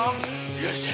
よっしゃ。